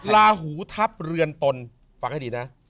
ลาหูทัพเรือนตนฟังให้ดีนะ